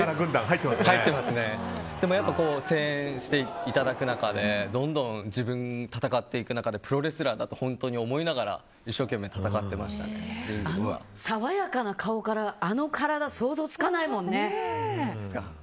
声援をいただく中でどんどん戦っていく中でプロレスラーだと本当に思いながら爽やかな顔からあの体、想像つかないもんね。